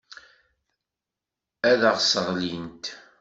Ad aɣ-sseɣlint.